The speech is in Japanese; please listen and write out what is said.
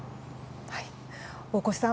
大越さん